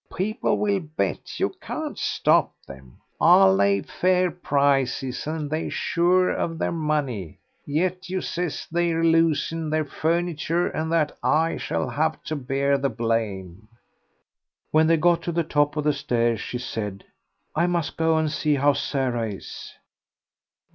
People will bet, you can't stop them. I lays fair prices, and they're sure of their money. Yet you says they're losin' their furniture, and that I shall have to bear the blame." When they got to the top of the stairs she said "I must go and see how Sarah is."